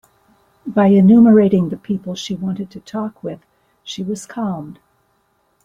By enumerating the people she wanted to talk with, she was calmed.